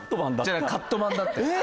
違う「カットバン」だって。